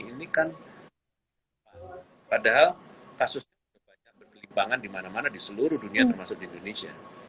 ini kan padahal kasus banyak berkelimbangan dimana mana di seluruh dunia termasuk di indonesia